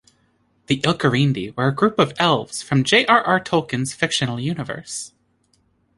The Ilkorindi were a group of Elves from J. R. R. Tolkien's fictional universe.